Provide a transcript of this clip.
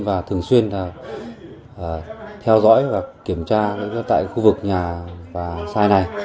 và thường xuyên theo dõi và kiểm tra tại khu vực nhà và sai này